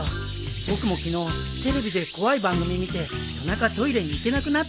僕も昨日テレビで怖い番組見て夜中トイレに行けなくなってさ。